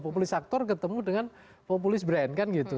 populis actor ketemu dengan populis brand kan gitu